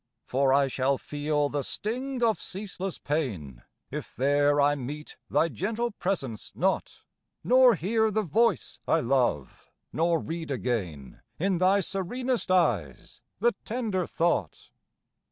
For I shall feel the sting of ceaseless pain If there I meet thy gentle presence not; Nor hear the voice I love, nor read again In thy serenest eyes the tender thought.